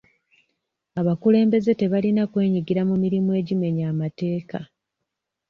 Abakulembeze tebalina kwenyigira mu mirimu egimenya amateeka.